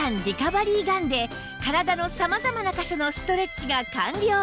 リカバリーガンで体の様々な箇所のストレッチが完了